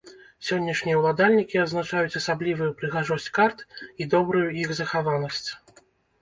Сённяшнія ўладальнікі адзначаюць асаблівую прыгажосць карт і добрую іх захаванасць.